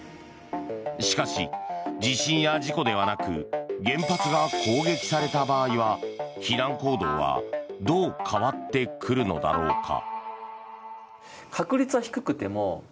しかし、地震や事故ではなく原発が攻撃された場合は避難行動はどう変わってくるのだろうか。